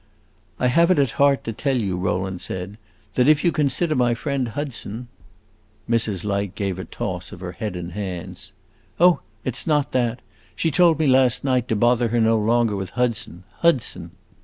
"I have it at heart to tell you," Rowland said, "that if you consider my friend Hudson" Mrs. Light gave a toss of her head and hands. "Oh, it 's not that. She told me last night to bother her no longer with Hudson, Hudson!